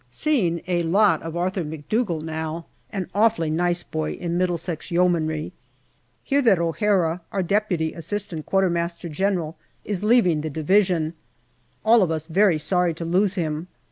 Seeing a lot of Arthur McDougall now, an awfully nice boy in Middlesex Yeomanry. Hear that O'Hara, our D.A.Q.M.G., is leaving the Division. All of us very sorry to lose him.